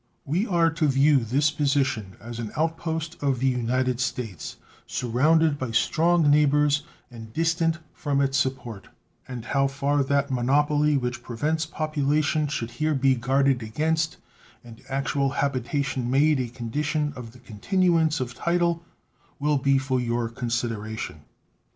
We are to view this position as an outpost of the United States, surrounded by strong neighbors and distant from its support; and how far that monopoly which prevents population should here be guarded against and actual habitation made a condition of the continuance of title will be for your consideration.